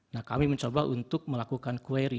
nah kami mencoba untuk melakukan query